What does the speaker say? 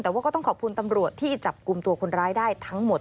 แต่ว่าก็ต้องขอบคุณตำรวจที่จับกลุ่มตัวคนร้ายได้ทั้งหมด